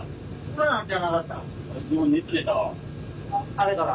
あれから？